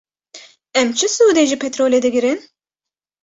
Em çi sûdê ji petrolê digirin?